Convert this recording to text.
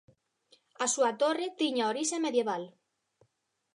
A súa torre tiña orixe medieval.